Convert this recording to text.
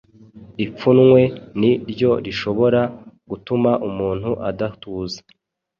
Ipfunwe ni ryo rishobora gutuma umuntu adatuza